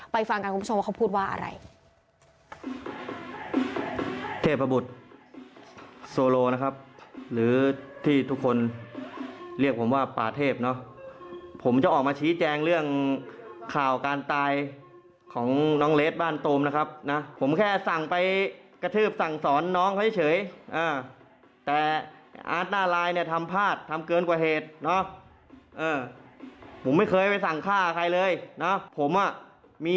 ฟังกันคุณผู้ชมว่าเขาพูดว่าอะไร